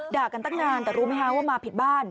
กันตั้งนานแต่รู้ไหมคะว่ามาผิดบ้าน